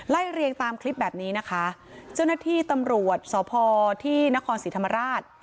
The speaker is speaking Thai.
เรียงตามคลิปแบบนี้นะคะเจ้าหน้าที่ตำรวจสพที่นครศรีธรรมราช